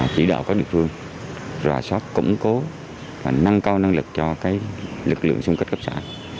chỉ đạo các địa phương ròa sót củng cố và nâng cao năng lực cho lực lượng xung kịch cấp xã